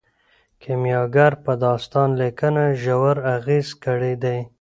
کیمیاګر په داستان لیکنه ژور اغیز کړی دی.